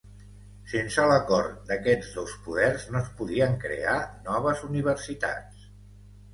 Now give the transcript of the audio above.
Sense l'acord d'aquests dos poders no es podien crear noves universitats.